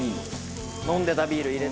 飲んでたビール入れて。